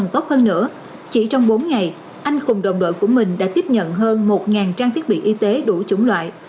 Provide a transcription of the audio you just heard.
tốt hơn nữa chỉ trong bốn ngày anh khùng đồng đội của mình đã tiếp nhận hơn một trang thiết bị y tế đủ chủng loại